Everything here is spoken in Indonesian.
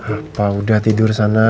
apa udah tidur sana